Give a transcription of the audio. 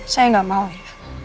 saya gak mau ya